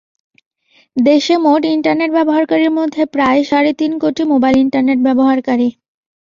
দেশে মোট ইন্টারনেট ব্যবহারকারীর মধ্যে প্রায় সাড়ে তিন কোটি মোবাইল ইন্টারনেট ব্যবহারকারী।